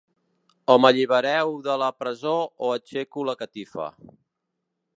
O m’allibereu de la presó o aixeco la catifa.